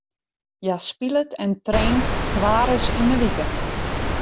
Hja spilet en traint twaris yn de wike.